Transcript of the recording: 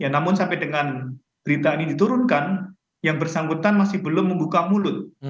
namun sampai dengan berita ini diturunkan yang bersangkutan masih belum membuka mulut